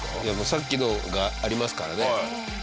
さっきのがありますからね。